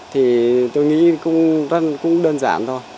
thì tôi nghĩ cũng đơn giản thôi